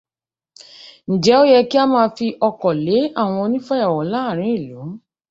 Ǹjẹ́ ó yẹ kí a máa fi ọkọ̀ lé àwọn onífàyàwọ̀ láàrín ìlu?